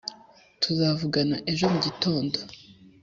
Tuzavugana ejo mu gitondo.